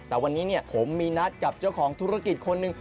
แต่วันนี้ผมมีนัดกับเจ้าของธุรกิจคนหนึ่ง